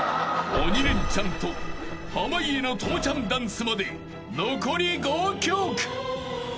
［鬼レンチャンと濱家の朋ちゃんダンスまで残り５曲］